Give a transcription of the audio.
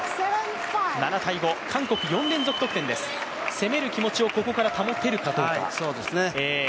攻める気持ちをここから保てるかどうか。